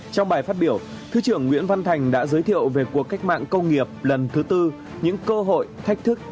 trong bài phát biểu thứ trưởng nguyễn văn thành đã giới thiệu về cuộc cách mạng công nghiệp lần thứ tư